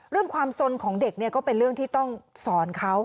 เรื่องความสนของเด็กเนี่ยก็เป็นเรื่องที่ต้องสอนเขา